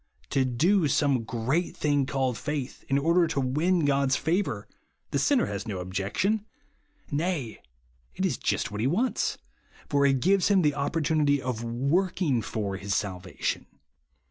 To do some great thing called faith, in order to win God's favour, the sinner has no objection; nay, it is just what he wants, for it gives him the opportunity of W07^k m^ /or his salvation.